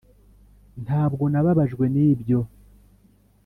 ntabwo nababajwe nibyo.